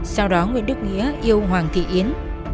sau đó nguyễn đức ghĩa yêu hoàng thị yến